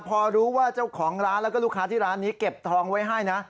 พอรู้ว่าเจ้าของร้านแล้วก็ลูกค้าที่ร้านนี้เก็บทองไว้ให้นะ